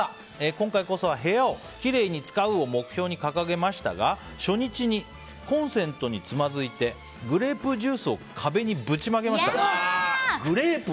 今回こそは部屋をきれいに使うを目標に掲げましたが初日にコンセントにつまずいてグレープジュースを壁にぶちまけました。